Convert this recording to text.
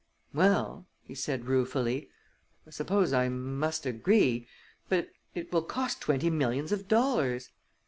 "Well," he said, ruefully, "I suppose I must agree, but it will cost twenty millions of dollars."